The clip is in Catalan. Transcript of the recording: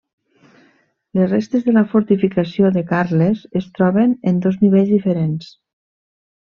Les restes de la fortificació de Carles es troben en dos nivells diferents.